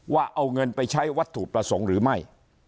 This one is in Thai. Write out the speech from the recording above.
ว่าเอาเงินไปใช้วัตถุประสงค์หรือไม่